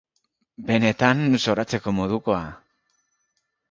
Benetan, zoratzeko modukoa.